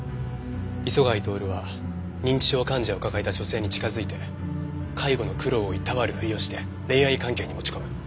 磯貝徹は認知症患者を抱えた女性に近づいて介護の苦労をいたわるふりをして恋愛関係に持ち込む。